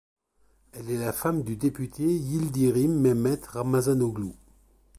Elle est la femme du député Yıldırım Mehmet Ramazanoğlu.